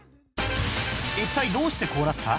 一体どうしてこうなった？